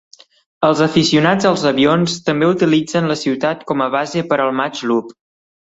Els aficionats als avions també utilitzen la ciutat com a base per al Mach Loop.